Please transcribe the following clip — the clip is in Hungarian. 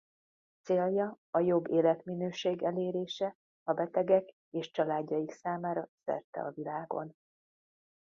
Célja a jobb életminőség elérése a betegek és családjaik számára szerte a világon.